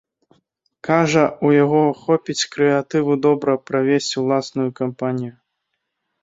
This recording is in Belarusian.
Кажа, у яго хопіць крэатыву добра правесці ўласную кампанію.